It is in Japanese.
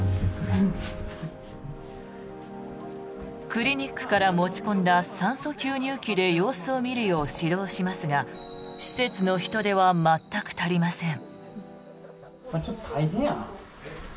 クリニックから持ち込んだ酸素吸入器で様子を見るよう指導しますが施設の人手は全く足りません。